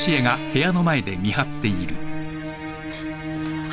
あっ。